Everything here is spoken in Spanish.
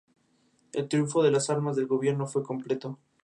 Grab-N-Go Market ofrece comida fácil de llevar a los parques.